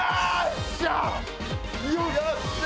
よっしゃ！